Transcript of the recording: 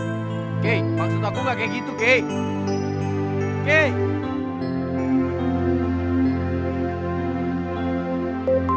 oke maksud aku gak kecewa sama kamu